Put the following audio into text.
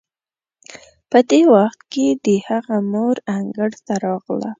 په دې وخت کې د هغه مور انګړ ته راغله.